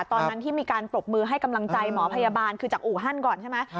ตอนนั้นที่มีการปรบมือให้กำลังใจหมอพยาบาลคือจากอู่ฮั่นก่อนใช่ไหม